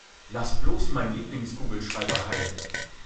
Lass bloß meinen Lieblingskugelschreiber heil!